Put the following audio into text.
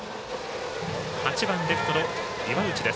８番、レフトの岩内。